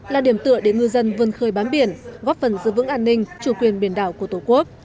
là điểm tựa để ngư dân vươn khơi bám biển góp phần giữ vững an ninh chủ quyền biển đảo của tổ quốc